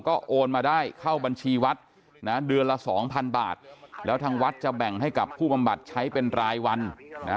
ก็โอนมาได้เข้าบัญชีวัดนะเดือนละสองพันบาทแล้วทางวัดจะแบ่งให้กับผู้บำบัดใช้เป็นรายวันนะ